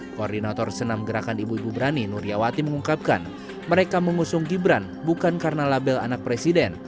koordinator senam gerakan ibu ibu berani nuryawati mengungkapkan mereka mengusung gibran bukan karena label anak presiden